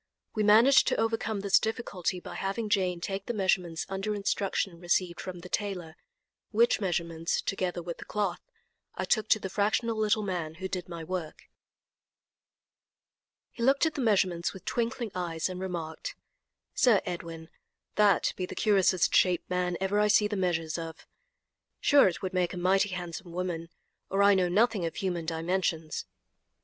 We managed to overcome this difficulty by having Jane take the measurements under instructions received from the tailor, which measurements, together with the cloth, I took to the fractional little man who did my work. He looked at the measurements with twinkling eyes, and remarked: "Sir Edwin, that be the curiousest shaped man ever I see the measures of. Sure it would make a mighty handsome woman, or I know nothing of human dimensions."